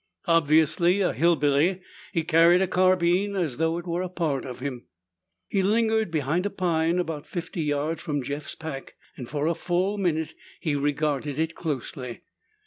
Obviously a hillbilly, he carried a carbine as though it were a part of him. He lingered behind a pine about fifty yards from Jeff's pack and for a full minute he regarded it closely.